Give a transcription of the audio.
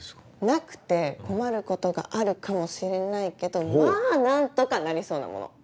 なくて困ることがあるかもしれないけどまぁ何とかなりそうなもの。